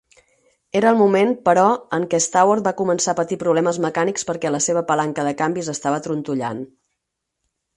Era el moment, però, en que Staward va començar a patir problemes mecànics per què la seva palanca de canvis estava trontollant.